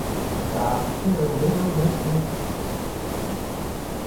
But she’s a real little fool.